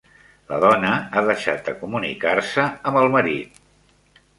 La dona ha deixat de comunicar-se amb el marit